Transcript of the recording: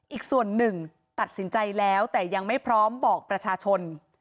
อีกส่วนหนึ่งตัดสินใจแล้วแต่ยังไม่พร้อมบอกประชาชน